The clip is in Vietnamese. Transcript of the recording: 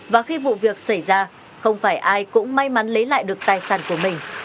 và khi vụ việc xảy ra không phải ai cũng may mắn lấy lại được tài sản của mình